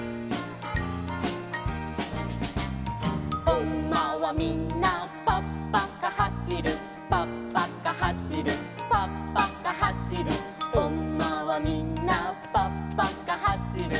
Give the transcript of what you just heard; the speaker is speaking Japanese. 「おんまはみんなぱっぱかはしる」「ぱっぱかはしるぱっぱかはしる」「おんまはみんなぱっぱかはしる」